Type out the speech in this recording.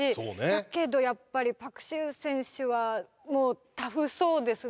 けどやっぱりパク・シウ選手はもうタフそうですね。